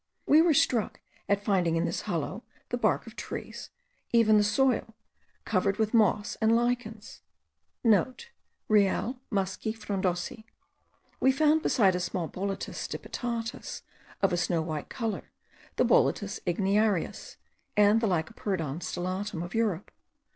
We were struck at finding in this hollow the bark of trees, and even the soil, covered with moss* and lichens. (* Real musci frondosi. We also found, besides a small Boletus stipitatus, of a snow white colour, the Boletus igniarius, and the Lycoperdon stellatum of Europe.